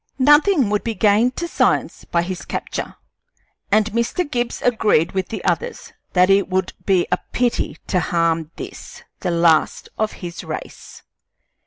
Nothing would be gained to science by his capture, and Mr. Gibbs agreed with the others that it would be a pity to harm this, the last of his race.